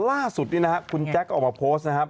แต่ล่าสุดนี่นะฮะคุณแจ๊คออกมาโพสต์นะฮะ